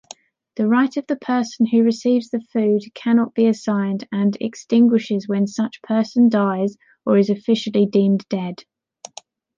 The right of the person who receives the food cannot be assigned and extinguishes when such person dies or is officially deemed dead.